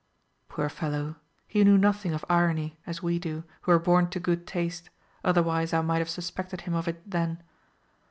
Poor fellow! he knew nothing of irony, as we do, who are born to good taste, otherwise I might have suspected him of it then.